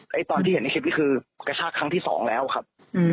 ตอนที่เห็นในคลิปนี้คือกระชากครั้งที่สองแล้วครับ